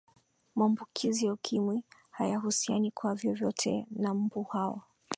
mambukizi ya ukimwi hayahusiani kwa vyovyote na mbu hao